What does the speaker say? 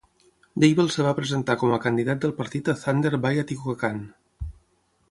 Deibel es va presentar com a candidat del partit a Thunder Bay-Atikokan.